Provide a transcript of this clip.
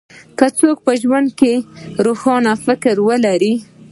که يو څوک په ژوند کې روښانه هدف ولري.